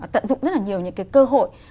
tận dụng rất là nhiều những cái cơ hội